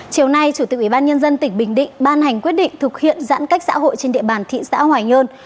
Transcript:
chiều nay chủ tịch ubnd tỉnh bình định ban hành quyết định thực hiện giãn cách xã hội trên địa bàn thị xã hoài nhơn